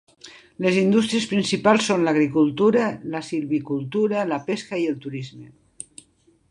Les indústries principals són l'agricultura, la silvicultura, la pesca i el turisme.